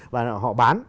và họ bán